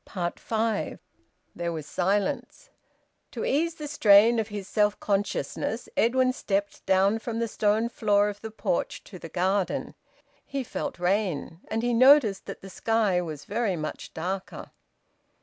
FIVE. There was silence. To ease the strain of his self consciousness Edwin stepped down from the stone floor of the porch to the garden. He felt rain. And he noticed that the sky was very much darker.